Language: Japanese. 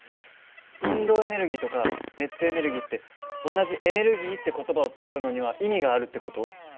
運動エネルギーとか熱エネルギーって同じ「エネルギー」って言葉を使うのには意味があるって事？